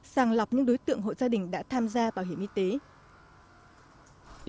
sàng lọc những đối tượng hội gia đình đã tham gia bảo hiểm y tế